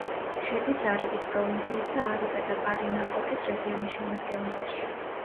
შედის არიკის პროვინციის და არიკა და პარინაკოტის რეგიონის შემადგენლობაში.